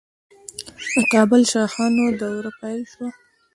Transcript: د کابل شاهانو دوره پیل شوه